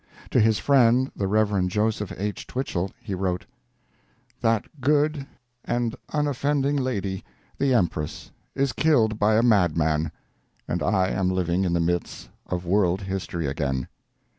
To his friend, the Rev. Jos. H. Twichell, he wrote: "That good and unoffending lady, the Empress, is killed by a madman, and I am living in the midst of world history again.